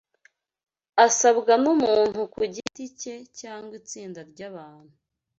asabwa n’umuntu ku giti ke cyangwa itsinda ry’abantu